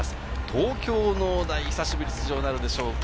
東京農大、久しぶりに出場なるでしょうか。